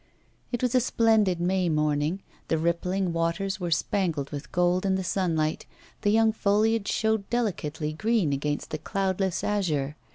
It was a splendid May morning, the rippling waters were spangled with gold in the sunlight, the young foliage showed delicately green against the cloudless azure.